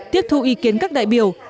tiếp thu ý kiến các đại biểu